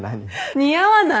似合わない。